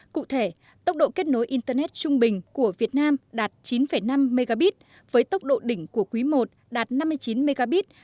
cụ thể tốc độ kết nối internet trung bình của việt nam đạt chín năm mb với tốc độ đỉnh của quý i đạt năm mươi chín mb